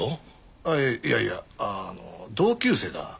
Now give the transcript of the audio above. ああいやいやあの同級生だ。